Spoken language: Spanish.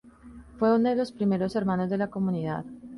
Fue uno de los primeros hermanos de la comunidad.